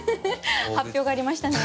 発表がありましたね。